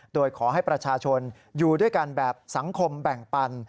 โดยขอให้ประชาชนอยู่ด้วยกันแบบสังคมแบ่งปัน